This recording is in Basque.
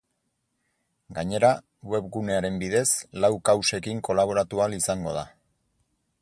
Gainera, web gunearen bidez, lau kausekin kolaboratu ahal izango da.